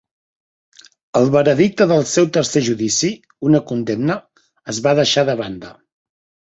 El veredicte del seu tercer judici, una condemna, es va deixar de banda.